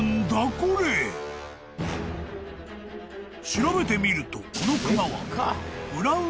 ［調べてみるとこの熊は］